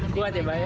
kuat ya abah ya